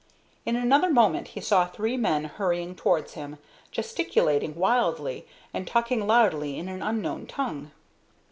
In another moment he saw three men hurrying towards him, gesticulating wildly and talking loudly in an unknown tongue.